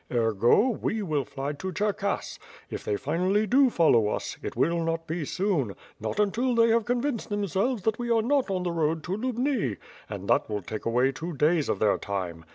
Ergo! we will fly to Cherkass; if they finally do follow us, it will not be soon, not until they have con vinced themselves that we are not on the road to Lubni; and that will take away two days of their time.